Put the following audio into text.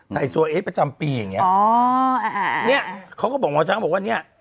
ไอโซเอ๊ประจำปีอย่างเงี้อ๋ออ่าเนี้ยเขาก็บอกหมอช้างบอกว่าเนี้ย